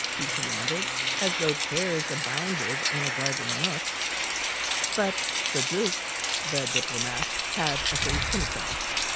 he commanded, as though chairs abounded in a garden nook. But Leduc, the diplomat, had effaced himself.